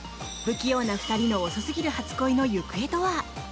不器用な２人の遅すぎる初恋の行方とは？